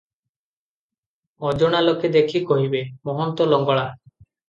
ଅଜଣା ଲୋକେ ଦେଖି କହିବେ, ମହନ୍ତ ଲଙ୍ଗଳା ।